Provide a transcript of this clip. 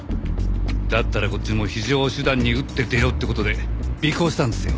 だったらこっちも非常手段に打って出ようって事で尾行したんですよ。